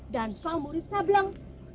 dan kau murid sableng